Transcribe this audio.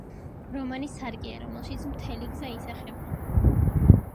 რომანი სარკეა, რომელშიც მთელი გზა ისახება